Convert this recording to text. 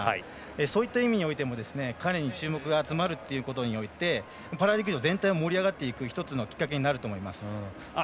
そういった意味においても彼に注目が集まるということにおいてパラ陸上全体が盛り上がっていくきっかけの１つになると思います。